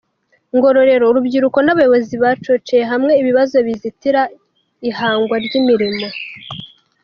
Ngororero Urubyiruko n’abayobozi bacoceye hamwe ibibazo bizitira ihangwa ry’imirimo